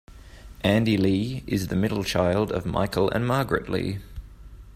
Andy Lee is the middle child of Michael and Margaret Lee.